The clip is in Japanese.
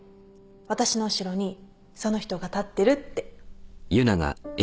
私の後ろにその人が立ってるって。